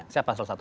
siapa salah satu